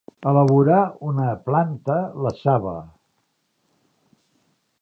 Elaborar, una planta, la saba.